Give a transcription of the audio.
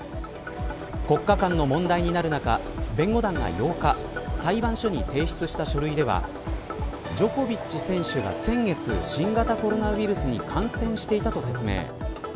国家間の問題になる中弁護団が８日裁判所に提出した書類ではジョコビッチ選手が先月新型コロナウイルスに感染していたと説明。